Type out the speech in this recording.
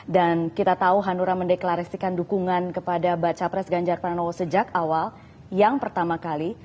dan kita tahu hanura mendeklarasikan dukungan kepada baca pres ganjar panowo sejak awal yang pertama kali